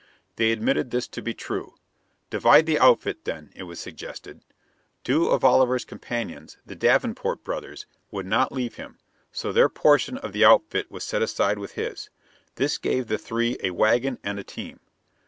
They admitted this to be true. "Divide the outfit, then," it was suggested. Two of Oliver's companions, the Davenport brothers, would not leave him; so their portion of the outfit was set aside with his. This gave the three a wagon and a team.